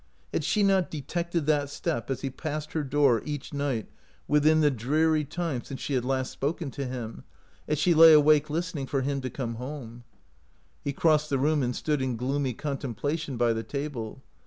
Had she not detected that step as he passed her door each night wjthin the dreary time 9 129 OUT OF BOHEMIA since she had last spoken to him, as she lay awake listening for him to come home ? He crossed the room and stood in gloomy contemplation by the table.